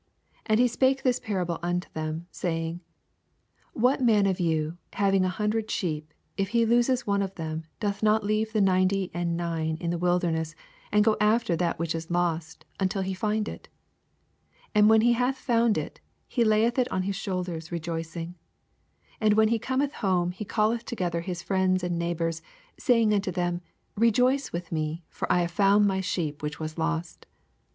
8 And he spake this piarable unto them, saying, 4 What man of von, having an hundred sheep, if he lose one of tnem, doth not leave the ninety and nine in the wilderness, and ffo after that which is lost, until he Ind it ? 5 And when he hnth found U^ he layeth ii on his shoulders, rejoicing. 6 And when he cometh home^ he caUeth together his friends and neigh bors, saying unto them, Kejoioe with me ; for I have foimd my sheep which was lost.